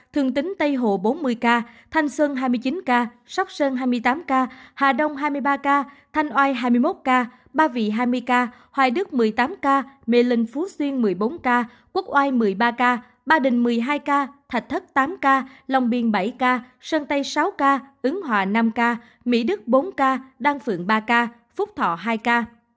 thường tính tây hộ bốn mươi ca thanh sơn hai mươi chín ca sóc sơn hai mươi tám ca hà đông hai mươi ba ca thanh oai hai mươi một ca ba vị hai mươi ca hoài đức một mươi tám ca mệ linh phú xuyên một mươi bốn ca quốc oai một mươi ba ca ba đình một mươi hai ca thạch thất tám ca lòng biên bảy ca sơn tây sáu ca ứng hòa năm ca mỹ đức bốn ca đan phượng ba ca phúc thọ hai ca